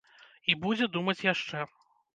І будзе думаць яшчэ.